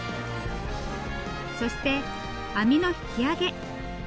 そして網の引き上げ。